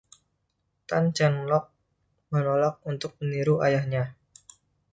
Tan Cheng Lock menolak untuk meniru ayahnya.